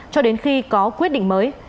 cho đến khi có quyết định mới